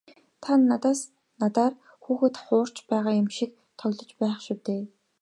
Та надаар хүүхэд хуурч байгаа юм шиг л тоглож байх шив дээ.